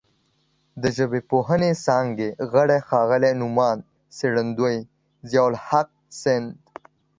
د ژبپوهنې څانګې غړي ښاغلي نوماند څېړندوی ضیاءالحق سیند